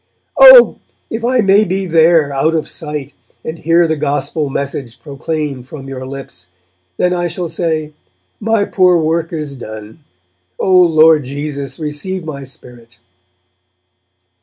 'Oh! if I may be there, out of sight, and hear the gospel message proclaimed from your lips, then I shall say, "My poor work is done. Oh! Lord Jesus, receive my spirit".'